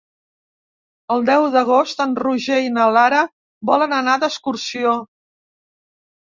El deu d'agost en Roger i na Lara volen anar d'excursió.